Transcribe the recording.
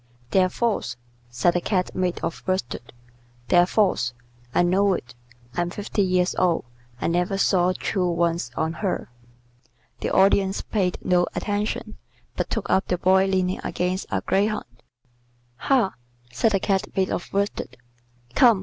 "They're false," said the Cat made of worsted. "They're false. I know it. I'm fifty years old. I never saw true ones on her." The Audience paid no attention, but took up the Boy leaning against a greyhound. "Ha!" said the Cat made of worsted. "Come.